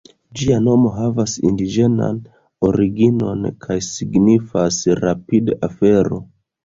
Ĝia nomo havas indiĝenan originon kaj signifas "rapid-afero".